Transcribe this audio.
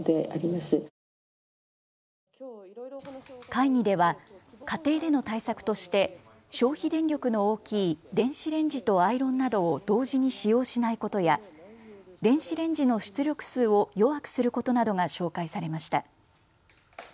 会議では家庭での対策として消費電力の大きい電子レンジとアイロンなどを同時に使用しないことや電子レンジの出力数を弱くすることなどが紹介されました。